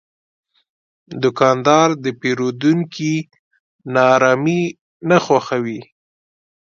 دوکاندار د پیرودونکي ناارامي نه خوښوي.